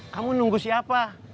kamu nunggu siapa